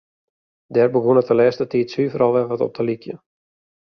Dêr begûn it de lêste tiid suver al wer wat op te lykjen.